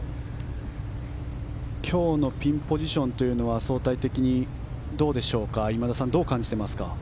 今日のピンポジションというのは相対的に今田さん、どう感じていますか。